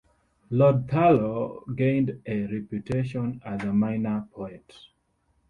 Lord Thurlow gained a reputation as a minor poet.